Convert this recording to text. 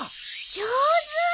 上手！